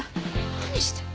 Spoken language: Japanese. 何してんの。